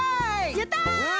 やった！